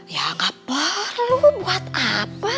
ya gak perlu buat apa